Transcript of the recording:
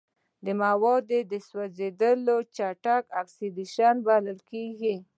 د موادو سوځیدل چټک اکسیدیشن بلل کیږي.